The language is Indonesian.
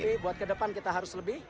tapi buat ke depan kita harus lebih